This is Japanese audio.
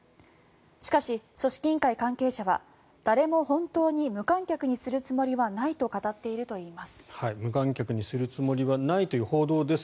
しかし、組織委員会関係者は誰も本当に無観客にするつもりはないと語っているといいます。